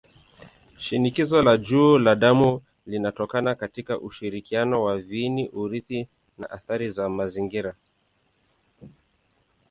Shinikizo la juu la damu linatokana katika ushirikiano wa viini-urithi na athari za mazingira.